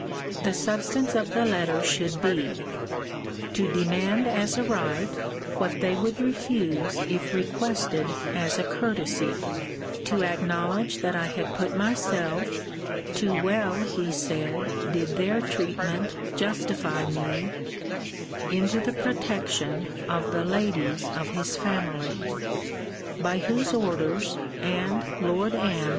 The substance of the letter should be, 'To demand as a right, what they would refuse if requested as a courtesy: to acknowledge that I had put myself [too well, he said, did their treatment justify me] into the protection of the ladies of his family [by whose orders, and Lord M.'